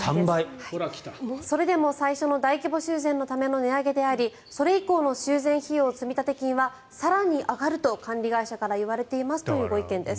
それでも最初の大規模修繕のための値上げでありそれ以降の修繕費用積立金は更に上がると管理会社から言われていますというご意見です。